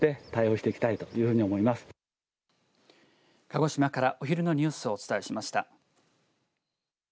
鹿児島からお昼のニュースをお伝えしました。